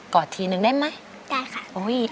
กอดทีหนึ่งได้ไหม